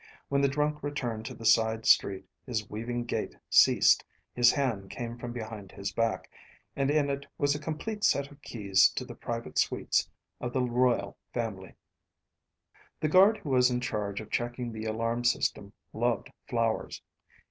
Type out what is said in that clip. When the drunk returned to the side street, his weaving gait ceased, his hand came from behind his back, and in it was a complete set of keys to the private suites of the royal family. The guard who was in charge of checking the alarm system loved flowers.